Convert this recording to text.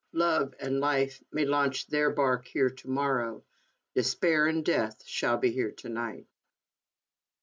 Love and life may launch their bark here to morrow; de spair and death shall be here to night.